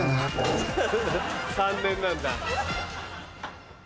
３年なんだ。